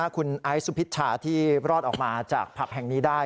คุณไอซ์สุพิชชาที่รอดออกมาจากผับแห่งนี้ได้